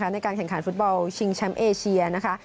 ในการแข่งขันฟุตบอลชิงแชมป์เอเชียนะคะ